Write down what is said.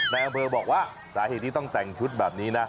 นายอำเภอบอกว่าสาเหตุที่ต้องแต่งชุดแบบนี้นะ